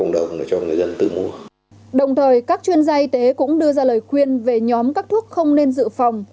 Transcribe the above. đồng thời các chuyên gia y tế cũng đưa ra lời khuyên về nhóm các thuốc không nên dự phòng